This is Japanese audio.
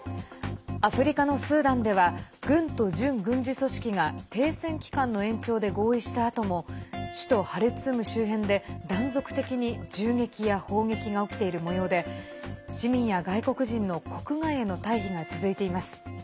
アフリカのスーダンでは軍と準軍事組織が停戦期間の延長で合意したあとも首都ハルツーム周辺で断続的に銃撃や砲撃が起きているもようで市民や外国人の国外への退避が続いています。